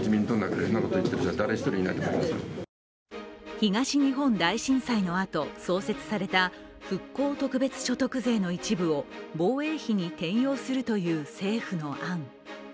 東日本大震災のあと創設された復興特別所得税の一部を防衛費に転用するという政府の案。